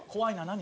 何？